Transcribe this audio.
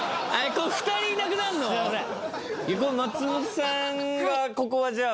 これ松本さんがここはじゃあ。